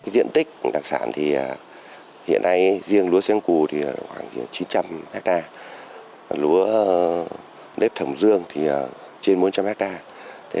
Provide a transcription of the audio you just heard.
diện tích đặc sản thì hiện nay riêng lúa sén cù thì khoảng chín trăm linh hecta lúa nếp thẩm dương thì trên bốn trăm linh hecta